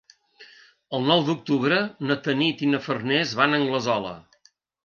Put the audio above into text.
El nou d'octubre na Tanit i na Farners van a Anglesola.